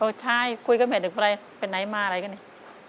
สมชายคุยก็ไม่เห็นว่าเป็นไหนมาอะไรกันเนี่ย